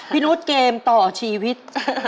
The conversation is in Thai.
นุษย์เกมต่อชีวิต